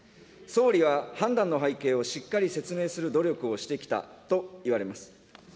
総理は判断の背景をしっかり説明する努力をしてきたと言われます。